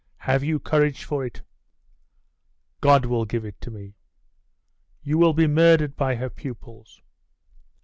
Have you courage for it?' 'God will give it me.' 'You will be murdered by her pupils.